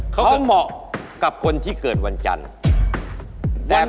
เขาก็เหมาะกับคนที่เกิดวันจันทร์